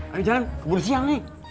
ayo jalan keburu siang ine